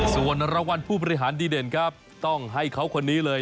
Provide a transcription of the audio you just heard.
ส่วนรางวัลผู้บริหารดีเด่นครับต้องให้เขาคนนี้เลย